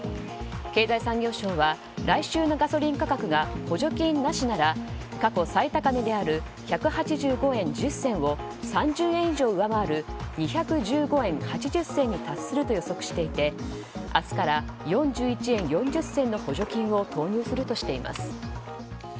経済産業省は来週のガソリン価格が補助金なしなら過去最高値である１８５円１０銭を３０円以上上回る２１５円８０銭に達すると予測していて明日から４１円４０銭の補助金を投入するとしています。